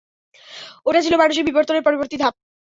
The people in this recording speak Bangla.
ওটা ছিল মানুষের বিবর্তনের পরবর্তী ধাপ।